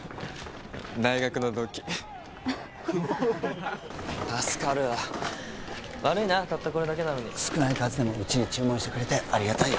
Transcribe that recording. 大学の同期助かる悪いなたったこれだけなのに少ない数でもウチに注文してくれてありがたいよ